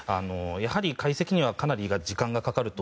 解析にはかなり時間がかかると。